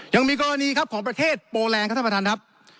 ยังมีกรณีครับของประเทศโปแลนด์ครับท่านประธานครับ